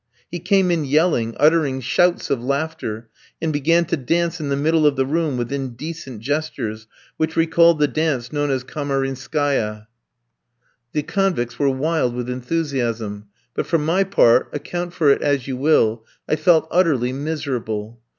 He came in yelling, uttering shouts of laughter, and began to dance in the middle of the room with indecent gestures which recalled the dance known as Kamarinskaïa. The convicts were wild with enthusiasm; but, for my part, account for it as you will, I felt utterly miserable.